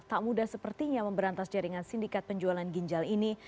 tak mudah sepertinya memberantas jaringan sindikat penjualan ginjal ini